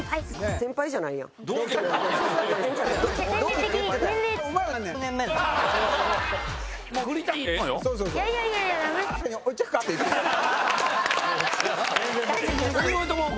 先輩じゃないやん！